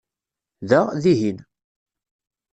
Da, dihin.